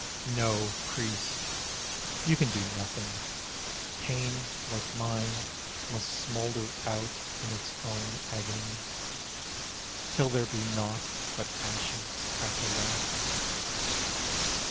No, priest, you can do nothing; pain like mine Must smoulder out in its own agony, Till there be nought but ashes at the last.